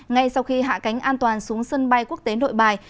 ngay sau khi hạ cánh an toàn xuống sân bay quốc tế nội bài